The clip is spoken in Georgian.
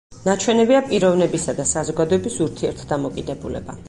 ნაჩვენებია პიროვნებისა და საზოგადოების ურთიერთდამოკიდებულება.